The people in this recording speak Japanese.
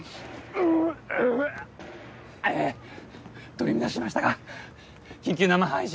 取り乱しましたが緊急生配信中です。